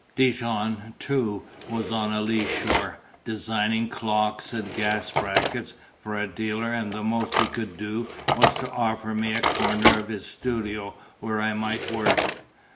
Dijon, too, was on a leeshore, designing clocks and gas brackets for a dealer; and the most he could do was to offer me a corner of his studio where I might work.